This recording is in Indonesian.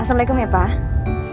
assalamualaikum ya pak